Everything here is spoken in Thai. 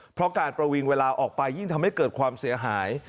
เพราะการประวิงเวลาออกไปยิ่งทำให้เกิดความเสียหาย